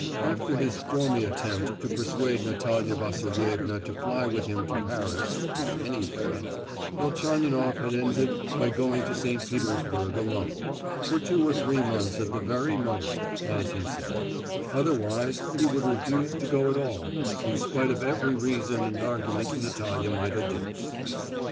After his stormy attempt to persuade Natalia Vasilievna to fly with him to Paris—or anywhere,—Velchaninoff had ended by going to St. Petersburg alone—for two or three months at the very most, as he said,—otherwise he would refuse to go at all, in spite of every reason and argument Natalia might adduce.